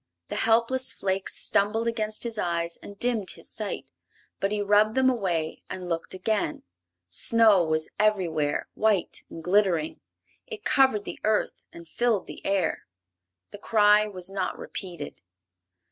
The helpless flakes stumbled against his eyes and dimmed his sight, but he rubbed them away and looked again. Snow was everywhere, white and glittering. It covered the earth and filled the air. The cry was not repeated.